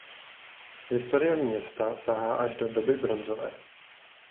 Historie města sahá až do doby bronzové.